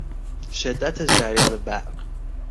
شدت جریان برق